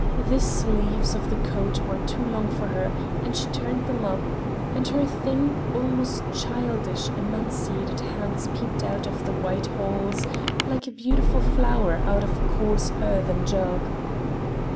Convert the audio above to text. The sleeves of the coat were too long for her, and she turned them up, and her thin, almost childish, emaciated hands peeped out of the wide holes like a beautiful flower out of a coarse earthen jug.